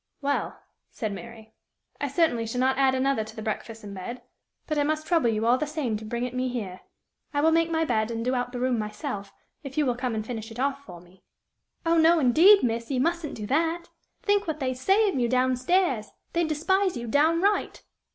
"Well," said Mary, "I certainly shall not add another to the breakfasts in bed. But I must trouble you all the same to bring it me here. I will make my bed, and do out the room myself, if you will come and finish it off for me." "Oh, no, indeed, miss, you mustn't do that! Think what they'd say of you down stairs! They'd despise you downright!"